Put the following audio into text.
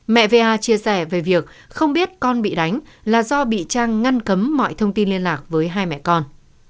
mẹ vea chia sẻ về việc không biết con bị đánh là do bị trang ngăn cấm mọi thông tin liên lạc với hai mẹ con